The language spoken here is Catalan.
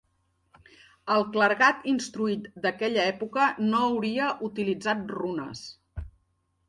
El clergat instruït d'aquella època no hauria utilitzat runes.